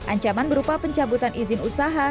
ancaman berupa pencabutan izin usaha